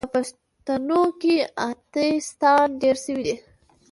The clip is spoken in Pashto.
په پښتانو کې اتیستان ډیر سوې دي